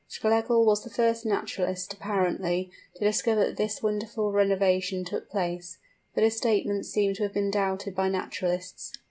Schlegel was the first naturalist, apparently, to discover that this wonderful renovation took place, but his statements seem to have been doubted by naturalists.